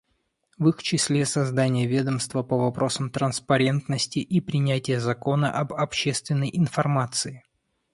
В их числе создание ведомства по вопросам транспарентности и принятие закона об общественной информации.